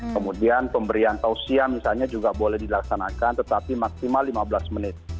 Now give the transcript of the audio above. kemudian pemberian tausiah misalnya juga boleh dilaksanakan tetapi maksimal lima belas menit